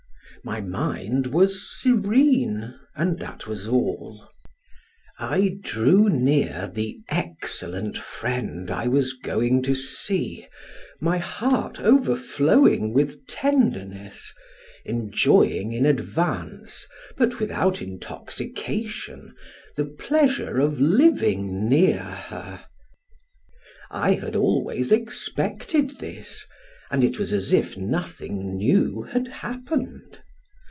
My mind was serene, and that was all; I drew near the excellent friend I was going to see, my heart overflowing with tenderness, enjoying in advance, but without intoxication, the pleasure of living near her; I had always expected this, and it was as if nothing new had happened.